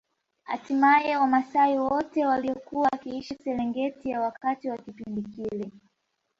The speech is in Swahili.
Hatimaye wamaasai wote waliokuwa wakiishi Serengeti ya wakati wa kipindi kile